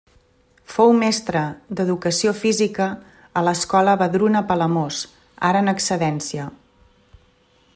Fou mestre d'educació física a l'Escola Vedruna Palamós, ara en excedència.